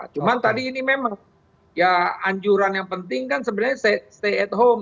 cuma tadi ini memang ya anjuran yang penting kan sebenarnya stay at home